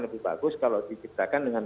lebih bagus kalau diciptakan dengan